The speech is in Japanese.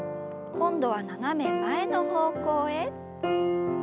今度は斜め前の方向へ。